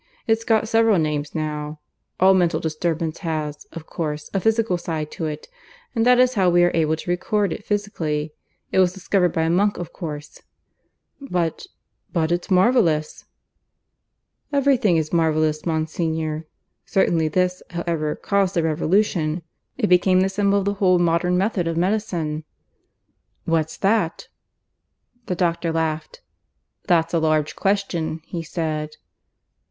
It's got several names now. All mental disturbance has, of course, a physical side to it, and that is how we are able to record it physically. It was discovered by a monk, of course." "But ... but it's marvellous." "Everything is marvellous, Monsignor. Certainly this, however, caused a revolution. It became the symbol of the whole modern method of medicine." "What's that?" The doctor laughed. "That's a large question," he said.